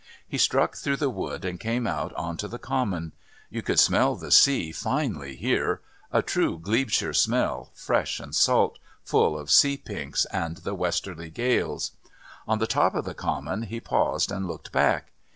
He struck through the wood and came out on to the Common. You could smell the sea finely here a true Glebeshire smell, fresh and salt, full of sea pinks and the westerly gales. On the top of the Common he paused and looked back.